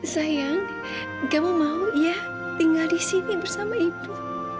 sayang kamu mau ya tinggal di sini bersama ibu